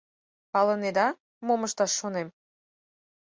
Палынеда, мом ышташ шонем?